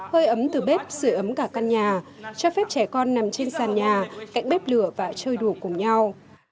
hơi ấm từ bếp sửa ấm cả căn nhà cho phép trẻ con nằm trên sàn nhà cạnh bếp lửa và chơi đùa cùng nhau